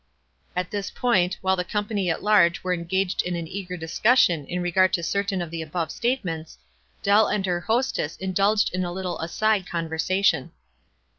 At this point, while the company at large were ensrasred in an easier discussion in regard to cer tain of the above statements, Dell and her host ess indulged in a little aside conversation.